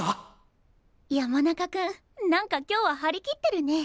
山中君何か今日は張り切ってるね！